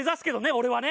俺はね。